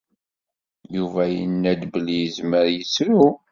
Yuba yenna-d belli izmer yettru.